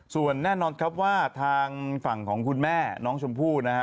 ส่วนแน่นอนครับว่าทางฝั่งของคุณแม่น้องชมพู่นะฮะ